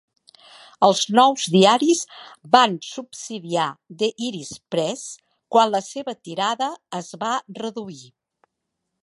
Els nous diaris van subsidiar "The Irish Press" quan la seva tirada es va reduir.